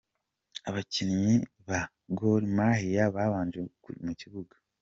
Abakinnyi ba Gor Mahia babanje mu kibuga:.